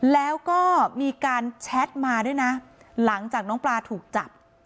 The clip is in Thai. แล้วก็มีการแชทมาด้วยนะหลังจากน้องปลาถูกจับ